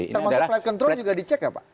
maksudnya flight control juga dicek nggak pak